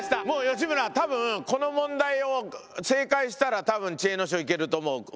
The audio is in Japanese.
もう吉村多分この問題を正解したら多分知恵の書いけると思う。